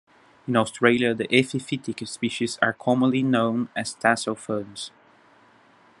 In Australia, the epiphytic species are commonly known as tassel ferns.